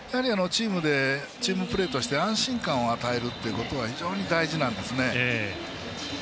チームプレーとして安心感を与えるってことが非常に大事なんですね。